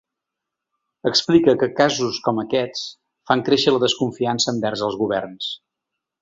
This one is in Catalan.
Explica que casos com aquests fan créixer la desconfiança envers els governs.